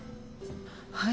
はい？